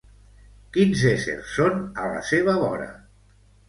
Quins éssers són a la seva vora?